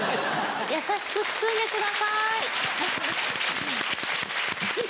あ優しく包んでください。